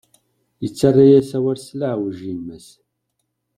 Yettarra-yas awal s leɛweǧ i yemma-s.